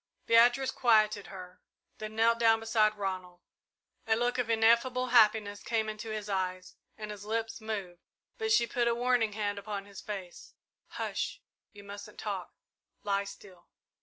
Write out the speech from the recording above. Beatrice quieted her, then knelt down beside Ronald. A look of ineffable happiness came into his eyes and his lips moved, but she put a warning hand upon his face. "Hush you mustn't talk lie still!"